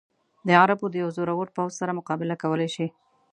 د عربو د یوه زورور پوځ سره مقابله کولای شي.